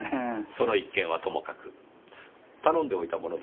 その一件はともかく頼んでおいたものですが。